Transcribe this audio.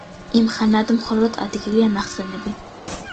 იმხანად მხოლო ადგილია ნახსენები.